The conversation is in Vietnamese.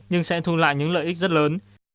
nhưng sẽ thu lại những lợi ích rất lớn